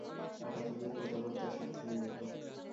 হঠাৎ ওদের কথাবার্তা সব থেমে গেল।